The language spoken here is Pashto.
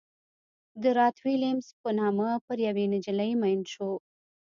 د رات ویلیمز په نامه پر یوې نجلۍ مین شو.